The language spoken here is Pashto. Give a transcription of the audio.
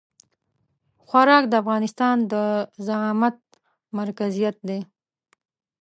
خو ارګ د افغانستان د زعامت مرکزيت دی.